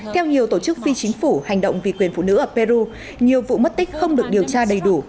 theo nhiều tổ chức phi chính phủ hành động vì quyền phụ nữ ở peru nhiều vụ mất tích không được điều tra đầy đủ